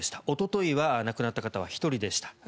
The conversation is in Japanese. おとといは亡くなった方は１人でした。